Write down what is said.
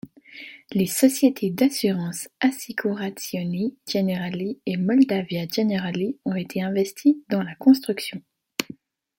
Les sociétés d'assurances Assicurazioni Generali et Moldavia Generali ont été investies dans la construction.